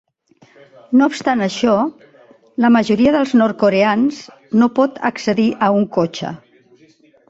No obstant això, la majoria dels nord-coreans no pot accedir a un cotxe.